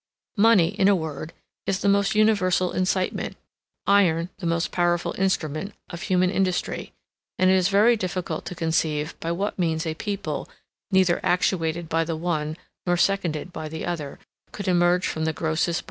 Money, in a word, is the most universal incitement, iron the most powerful instrument, of human industry; and it is very difficult to conceive by what means a people, neither actuated by the one, nor seconded by the other, could emerge from the grossest barbarism.